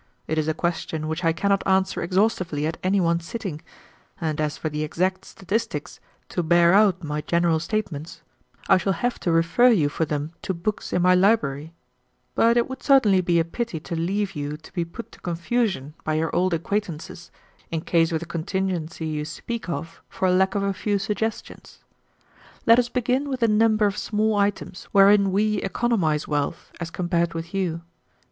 It is a question which I cannot answer exhaustively at any one sitting, and as for the exact statistics to bear out my general statements, I shall have to refer you for them to books in my library, but it would certainly be a pity to leave you to be put to confusion by your old acquaintances, in case of the contingency you speak of, for lack of a few suggestions. "Let us begin with a number of small items wherein we economize wealth as compared with you.